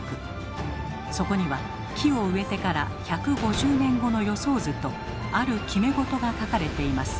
そこには木を植えてから１５０年後の予想図とある決め事が書かれています。